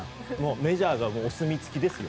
メジャーのお墨付きですよ。